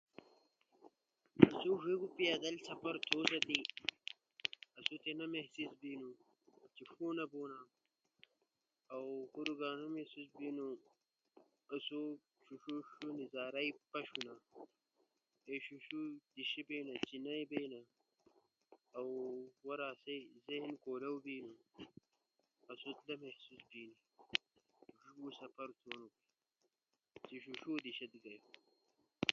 می موڙو ستو پیادل سفر تھوستی آسو تی نا محسوس بینو۔ چی ݜونا بونا۔ اؤ ہورگا انا محسوس بینو کے آسو شیشو نظارائی پشونا۔ اے شیشو دیشائ بینا، چینائ بینا اؤ غورا آسئی زہن کھولاؤ بینو۔ آسو انا محسوس بینی۔ پیادل سفرا تی آسو ورزش بینی، بدن چست بیلی۔ صحت ٹیک بیلی۔ بدن نی غت تھینی۔ شوگر ختم بینی۔ بلد پریشر نی زیاد بئینی۔ معدا ئ ٹیک بینی۔ نیِند غورا آٹینی۔ ہورجا پیادل سفرو لالے فائدے ہنی۔